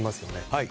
はい。